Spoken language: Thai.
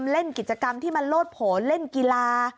เล่นกิจกรรมที่มันโลดโผล่เล่นกีฬา